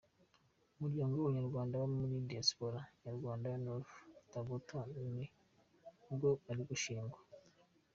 Umuryango w’Abanyarwanda baba muri Diaspora nyarwanda ya North Dakota ni bwo uri gushingwa.